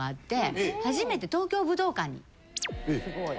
すごい。